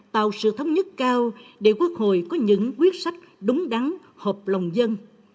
tạo sự thống nhất cao để quốc hội có những quyết sách đúng đắn hợp lòng dân